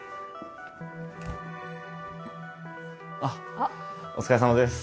あっお疲れさまです。